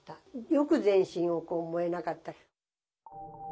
よく全身を燃えなかった。